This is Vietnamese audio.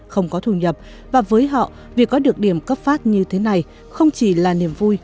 không có thu nhập và với họ việc có được điểm cấp phát như thế này không chỉ là niềm vui